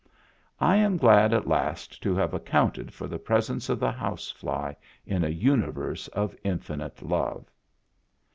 I am glad at last to have jaccounted for the presence of the housefly in a universe of infinite love.